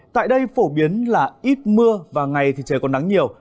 tại đây phổ biến là ít mưa và ngày thì trời còn nắng nhiều